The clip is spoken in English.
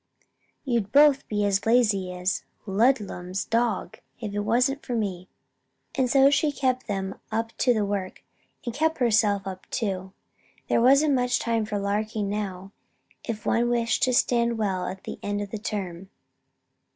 You'd both be as lazy as Ludlum's dog if it wasn't for me." And so she kept them up to the work, and kept herself up, too. There wasn't much time for larking now, if one wished to stand well at the end of the term.